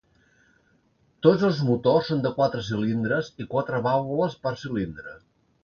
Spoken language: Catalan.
Tots els motors són de quatre cilindres i quatre vàlvules per cilindre.